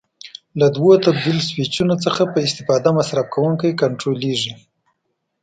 له دوو تبدیل سویچونو څخه په استفاده مصرف کوونکی کنټرول کېږي.